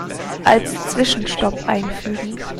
Als Zwischenstopp einfügen.